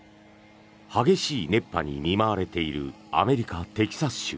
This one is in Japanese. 激しい熱波に見舞われているアメリカ・テキサス州。